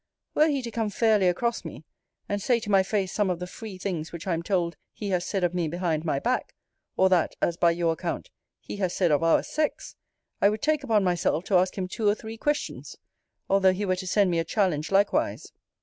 Were he to come fairly across me, and say to my face some of the free things which I am told he has said of me behind my back, or that (as by your account) he has said of our sex, I would take upon myself to ask him two or three questions; although he were to send me a challenge likewise.